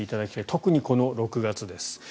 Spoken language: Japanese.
特に、この６月です。